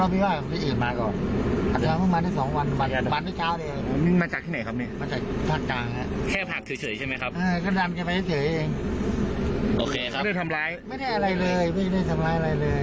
ไม่ได้ทำร้ายไม่ได้ทำร้ายอะไรเลย